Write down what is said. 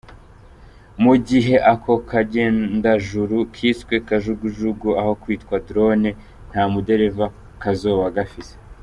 Mu gihe ako kagendajuru kiswe Kajugujugu aho kwitwa "drone", nta mudereva kazoba gafise.